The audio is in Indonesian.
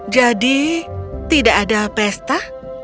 jadi tidak ada pesta